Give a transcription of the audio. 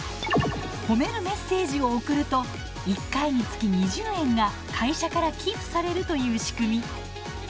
褒めるメッセージを送ると１回につき２０円が会社から寄付されるという仕組み。